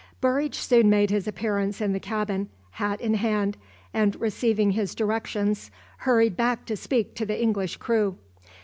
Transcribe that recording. Burridge soon made his appearance in the cabin, hat in hand, and receiving his directions hurried back to speak to the English crew.